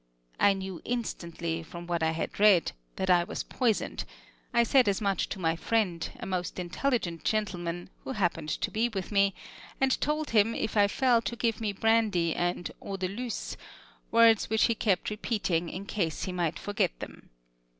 I knew instantly, from what I had read, that I was poisoned; I said as much to my friend, a most intelligent gentleman, who happened to be with me, and told him if I fell to give me brandy and "eau de luce," words which he kept repeating in case he might forget them.